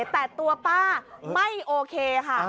แต่ตัวป้าไม่โอเคค่ะ